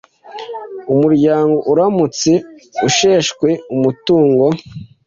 Umuryango uramutse usheshwe umutungo